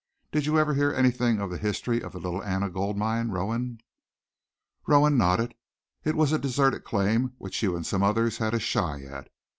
Did you ever hear anything of the history of the Little Anna Gold Mine, Rowan?" Rowan nodded. "It was a deserted claim which you and some others had a shy at.